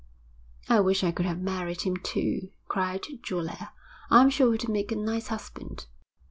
'I wish I could have married him, too,' cried Julia, 'I'm sure he'd make a nice husband.'